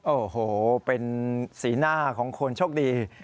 โอ้โหเป็นสีหน้าของคนโชคดี